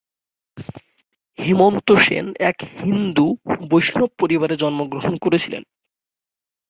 হেমন্ত সেন এক হিন্দু বৈষ্ণব পরিবারে জন্মগ্রহণ করেছিলেন।